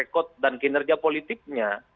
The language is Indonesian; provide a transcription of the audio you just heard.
kod dan kinerja politiknya